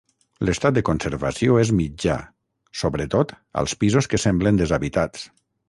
L'estat de conservació és mitjà, sobretot als pisos que semblen deshabitats.